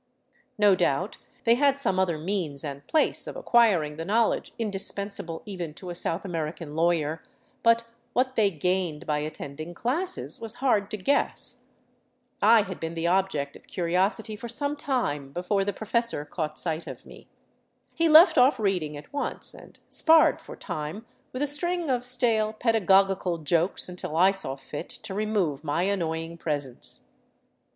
No doubt they had some other means and place of acquiring the knowledge indispensable even to a South Amer ican lawyer; but what they gained by attending classes was hard to guess. I had been the object of curiosity for some time before the 329 VAGABONDING DOWN THE ANDES professor caught sight of me. He left off reading at once, and sparred for time with a string of stale pedagogical jokes until I saw fit to re move my annoying presence.